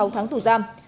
sáu tháng tù giam